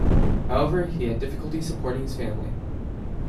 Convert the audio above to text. However, he had difficulty supporting his family.